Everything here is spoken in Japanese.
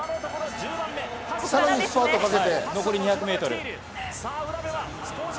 さらにスパートかけて残り２００ｍ。